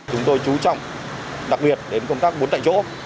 chúng tôi chú trọng đặc biệt đến công tác bốn tại chỗ